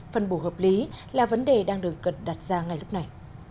phân bổ hợp lý là vấn đề đang được cần đặt ra ngay lúc này